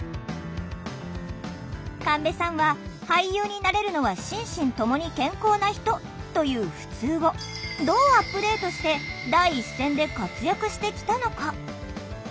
神戸さんは「俳優になれるのは心身ともに健康な人」というふつうをどうアップデートして第一線で活躍してきたのか？